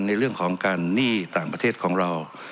ในเรื่องของการหนี้ต่างประเทศของเรา